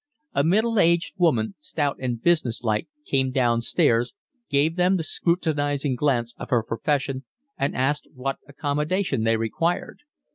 A middle aged woman, stout and business like, came downstairs, gave them the scrutinising glance of her profession, and asked what accommodation they required.